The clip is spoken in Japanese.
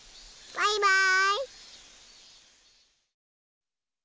バイバーイ。